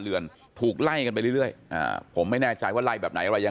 เรือนถูกไล่กันไปเรื่อยอ่าผมไม่แน่ใจว่าไล่แบบไหนอะไรยัง